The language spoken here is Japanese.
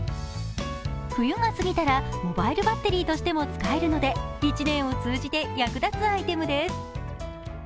冬が過ぎたら、モバイルバッテリーとしても使えるので１年を通じて役立つアイテムです。